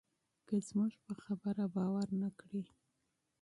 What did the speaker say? که زموږ په خبره باور نه کړې.